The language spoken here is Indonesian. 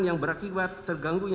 yang berakibat terganggu